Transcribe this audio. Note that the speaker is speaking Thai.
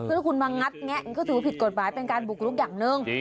ถ้าคุณมางัดแงะมันก็ถือว่าผิดกฎหมายเป็นการบุกลุกอย่างหนึ่ง